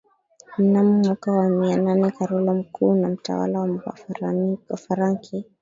Mnamo mwaka wa mia nane Karolo Mkuu na mtawala wa Wafaranki